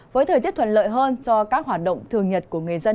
với thời tiết thuận lợi hơn cho các hoạt động thường nhật của người dân ở miền nam